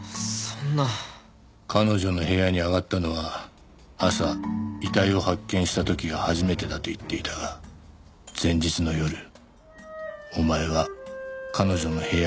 彼女の部屋に上がったのは朝遺体を発見した時が初めてだと言っていたが前日の夜お前は彼女の部屋に上がり込んでいた。